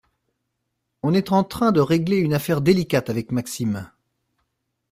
On est en train de régler une affaire délicate avec Maxime,